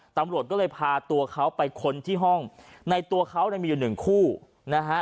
ตำรวจก็เลยพาตัวเขาไปค้นที่ห้องในตัวเขาเนี่ยมีอยู่หนึ่งคู่นะฮะ